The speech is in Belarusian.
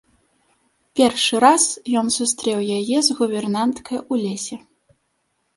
Першы раз ён сустрэў яе з гувернанткай у лесе.